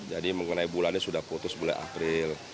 jadi mengenai bulannya sudah putus bulan april